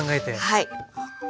はい。